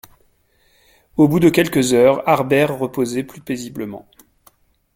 Au bout de quelques heures, Harbert reposait plus paisiblement.